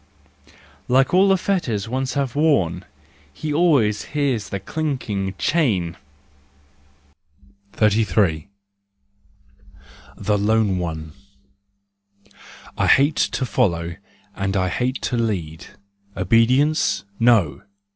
Like all that fetters once have worn, He always hears the clinking—chain ! JEST, RUSE AND REVENGE 21 33 The Lone One . I hate to follow and I hate to lead. Obedience ? no!